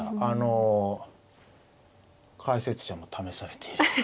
あの解説者も試されている。